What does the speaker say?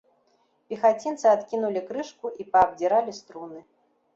Пехацінцы адкінулі крышку і паабдзіралі струны.